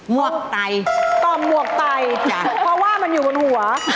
มวกไตตอบมวกไตพอว่ามันอยู่บนหัว